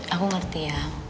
aku ngerti ya